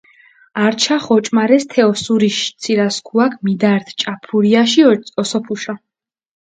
ართიშახჷ ოჭუმარესჷ თე ოსურიში ცირასქუაქჷ მიდართჷ ჭაფურიაში ოსოფუშა.